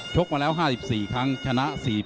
กมาแล้ว๕๔ครั้งชนะ๔๐